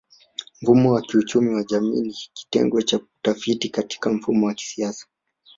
Mfumo wa kiuchumi wa jamii ni kitengo cha utafiti Katika mifumo ya kisasa